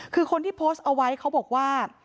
คือคนที่โพสต์เอาไว้เขาบอกว่า